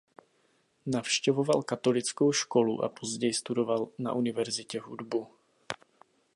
Navštěvoval katolickou školu a později studoval na univerzitě hudbu.